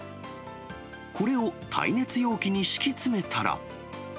これを耐熱容器に敷き詰めたら。